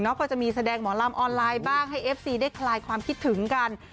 ก็จะมีแสดงหมอลำออนไลน์บ้างให้เอฟซีได้คลายความคิดถึงกัน